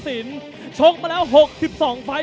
คนนี้ชกมาแล้ว๖๒ฝ่าย